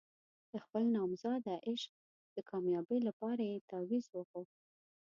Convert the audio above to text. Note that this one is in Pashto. د خپل نامراده عشق د کامیابۍ لپاره یې تاویز وغوښت.